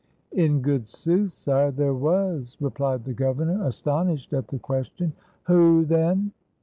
" In good sooth, sire, there was," replied the governor, astonished at the question. "Who, then?"